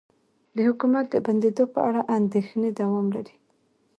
د حکومت د بندیدو په اړه اندیښنې دوام لري